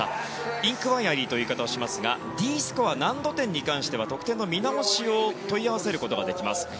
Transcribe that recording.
インクワイアリーという言い方をしますがＤスコア難度点に関しては得点の見直しを問い合わせることができます。